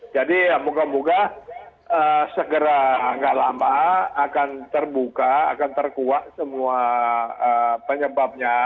jadi ya moga moga segera nggak lama akan terbuka akan terkuat semua penyebabnya